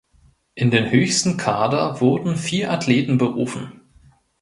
In den höchsten Kader wurden vier Athleten berufen.